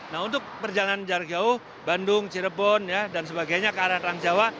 nah untuk perjalanan jarak jauh bandung cirebon dan sebagainya ke arah transjawa